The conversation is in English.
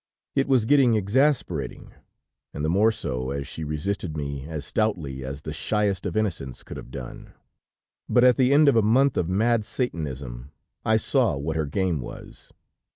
It was getting exasperating, and the more so, as she resisted me as stoutly as the shyest of innocents could have done, but at the end of a month of mad Satanism, I saw what her game was.